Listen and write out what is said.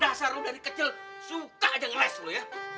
memang dasar lu dari kecil suka aja ngeles lu ya